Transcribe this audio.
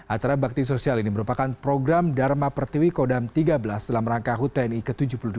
acara bakti sosial ini merupakan program dharma pertiwi kodam tiga belas dalam rangka hut tni ke tujuh puluh dua